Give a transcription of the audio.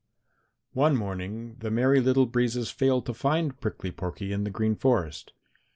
One morning the Merry Little Breezes failed to find Prickly Porky in the Green Forest.